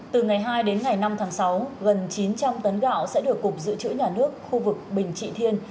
từ ngày hai đến ngày năm tháng sáu gần chín trăm linh tấn gạo sẽ được cục dự trữ nhà nước khu vực bình trị thiên